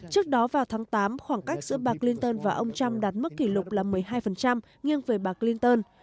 trước đó vào tháng tám khoảng cách giữa bà clinton và ông trump đạt mức kỷ lục là một mươi hai nghiêng về bạc clinton